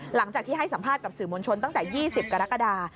หลังจากที่ให้สัมภาษณ์สมมุติชนตั้งแต่๒๐กรกฎา